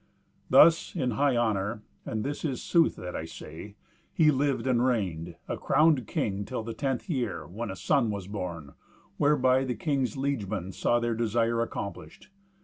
Thus, in high honour (and this is sooth that I say) he lived and reigned, a crowned king, till the tenth year, when a son was born, whereby the king's liegemen saw their desire accomplished.